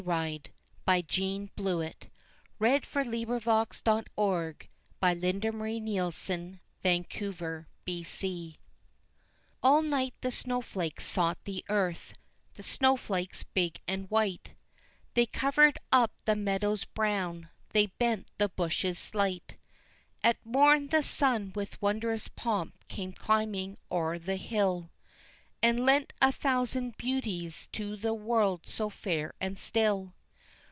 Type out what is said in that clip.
A Happy, Happy Year!" [Illustration: Decorative image unavailable.] Her First Sleigh ride All night the snowflakes sought the earth the snowflakes big and white They covered up the meadows brown, they bent the bushes slight! At morn the sun with wondrous pomp came climbing o'er the hill, And lent a thousand beauties to the world so fair and still.